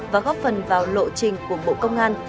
và góp phần vào lộ trình của bộ công an